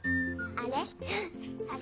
あれ？